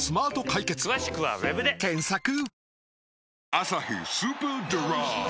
「アサヒスーパードライ」